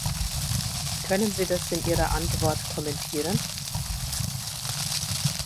Können Sie das in Ihrer Antwort kommentieren?